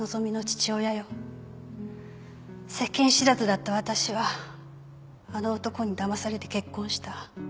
世間知らずだった私はあの男にだまされて結婚した